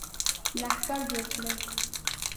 لښکر جوړ کړي.